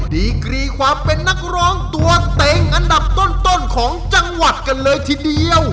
ดีกรีความเป็นนักร้องตัวเต็งอันดับต้นของจังหวัดกันเลยทีเดียว